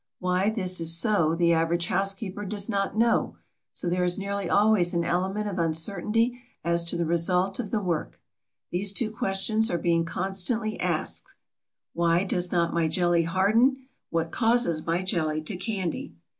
Why this is so the average housekeeper does not know; so there is nearly always an element of uncertainty as to the result of the work. These two questions are being constantly asked: "Why does not my jelly harden?" "What causes my jelly to candy?"